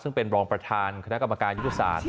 ซึ่งเป็นรองประธานคณะกรรมการยุทธศาสตร์